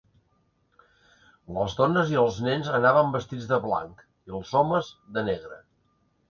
Les dones i els nens anaven vestits de blanc; i els homes, de negre.